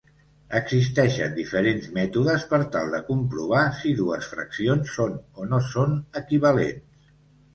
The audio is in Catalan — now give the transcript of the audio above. Existeixen diferents mètodes per tal de comprovar si dues fraccions són o no són equivalents.